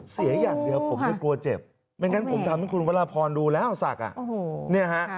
เสียอย่างเดียวผมไม่กลัวเจ็บไม่งั้นผมทำให้คุณวรพรดูแล้วศักดิ์